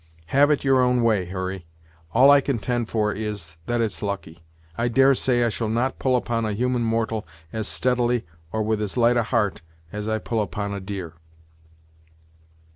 "Have it your own way, Hurry; all I contend for is, that it's lucky. I dare say I shall not pull upon a human mortal as steadily or with as light a heart, as I pull upon a deer."